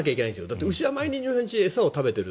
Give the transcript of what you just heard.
だって牛は毎日餌を食べている。